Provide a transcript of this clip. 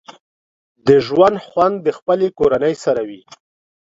د ژوند خوند د خپلې کورنۍ سره وي